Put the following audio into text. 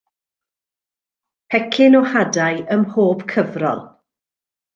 Pecyn o hadau ymhob cyfrol.